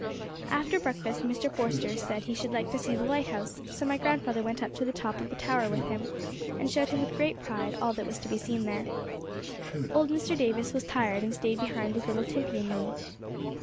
After breakfast Mr. Forster said he should like to see the lighthouse, so my grandfather went up to the top of the tower with him, and showed him with great pride all that was to be seen there. Old Mr. Davis was tired, and stayed behind with little Timpey and me.